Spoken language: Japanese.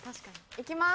行きます！